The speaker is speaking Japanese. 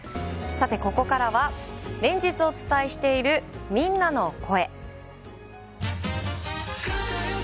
ここからは連日お伝えしているみんなの声。